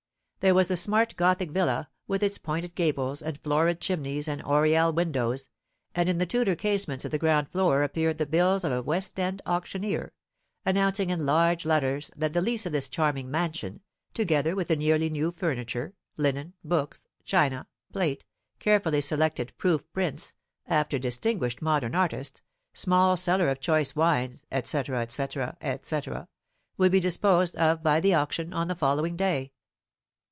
There was the smart gothic villa, with its pointed gables, and florid chimneys, and oriel windows, and in the Tudor casements of the ground floor appeared the bills of a West end auctioneer, announcing in large letters that the lease of this charming mansion, together with the nearly new furniture, linen, books, china, plate, carefully selected proof prints after distinguished modern artists, small cellar of choice wines, &c., &c., &c., would be disposed of by auction on the following day.